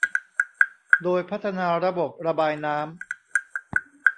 โดยพัฒนาระบบระบายน้ำ